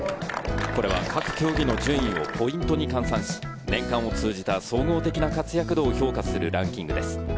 これは各競技の順位をポイントに換算し、年間を通じた総合的な活躍度を評価するランキングです。